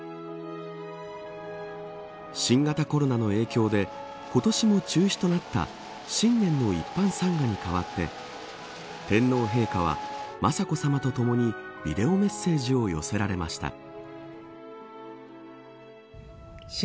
新型コロナの影響で今年も中止となった新年の一般参賀に代わって天皇陛下は、雅子さまとともにビデオメッセージを寄せられました。